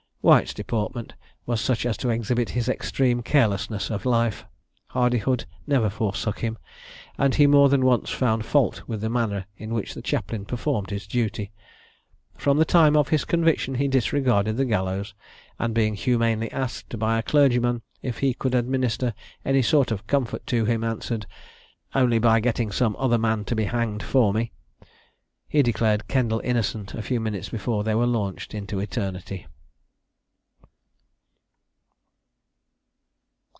White's deportment was such as to exhibit his extreme carelessness of life. Hardihood never forsook him, and he more than once found fault with the manner in which the chaplain performed his duty. From the time of his conviction he disregarded the gallows; and, being humanely asked by a clergyman if he could administer any sort of comfort to him, answered, "Only by getting some other man to be hanged for me." He declared Kendall innocent a few minutes before they were launched into eternity.